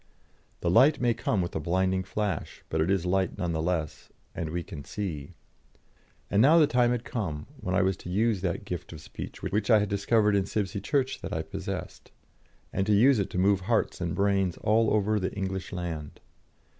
The light may come with a blinding flash, but it is light none the less, and we can see. And now the time had come when I was to use that gift of speech which I had discovered in Sibsey Church that I possessed, and to use it to move hearts and brains all over the English land.